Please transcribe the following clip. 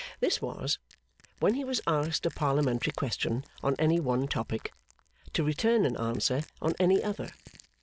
This was, when he was asked a Parliamentary question on any one topic, to return an answer on any other.